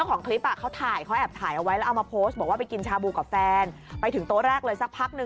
ก็เลยถามว่าไอ้หนู